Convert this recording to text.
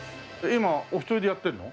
今お一人でやってるの？